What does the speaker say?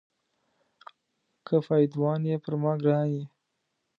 که پایدوان یې پر ما ګران یې.